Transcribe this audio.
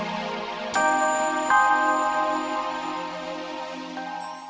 terima kasih ya